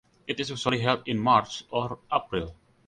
It is usually held in March or April.